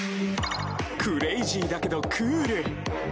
クレイジーだけどクール。